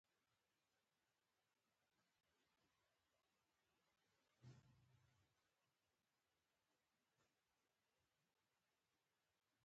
نوګالس سونورا د مکسیکو له ارامو او پرمختللو سیمو ده.